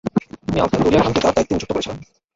তিনি আফগান দরিয়া খানকে তার দায়িত্বে নিযুক্ত করেছিলেন।